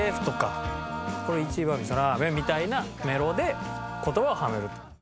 「サッポロ一番みそラーメン」みたいなメロで言葉をはめると。